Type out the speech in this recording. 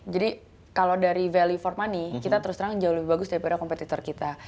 jadi kalau dari value for money kita terus terang jauh lebih bagus daripada kompetitor kita